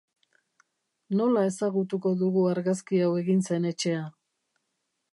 Nola ezagutuko dugu argazki hau egin zen etxea?